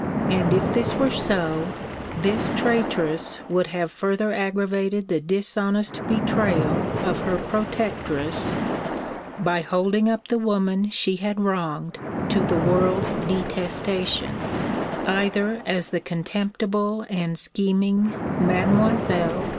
And, if this were so, this traitress would have further aggravated the dishonest betrayal of her protectress, by holding up the woman she had wronged to the world's detestation, either as the contemptible and scheming Mlle.